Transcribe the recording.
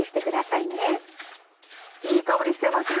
いい香りしてますね。